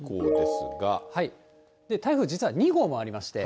台風、実は２号もありまして。